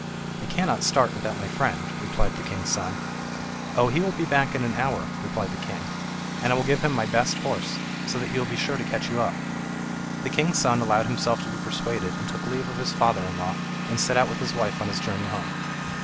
"I cannot start without my friend," replied the king's son. "Oh, he will be back in an hour," replied the king, "and I will give him my best horse, so that he will be sure to catch you up." The king's son allowed himself to be persuaded and took leave of his father in law, and set out with his wife on his journey home.